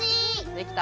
できた！